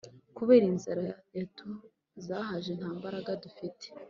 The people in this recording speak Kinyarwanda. kubera inzara yatuzahaje ntambaraga dufite